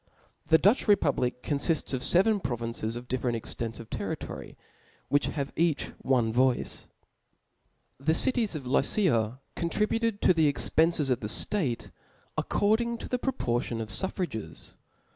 Tfee Dutch republic confiffs of feven princes of differ ent extent of territory, which have each onevoide C) ^^'^*• The cities of Lycia('') contributed to theexpcncfs of the ftate, Recording to the propjirtion pf fuf frages.